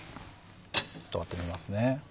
ちょっと割ってみますね。